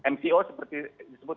mco seperti disebut aja